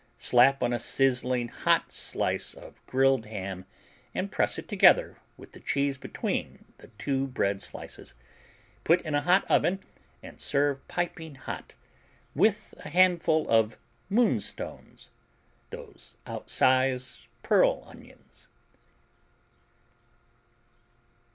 Slap on a sizzling hot slice of grilled ham and press it together with the cheese between the two bread slices, put in a hot oven and serve piping hot with a handful of "moonstones" those outsize pearl onions.